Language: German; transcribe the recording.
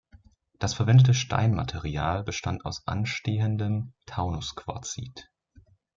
Das verwendete Steinmaterial bestand aus anstehendem Taunusquarzit.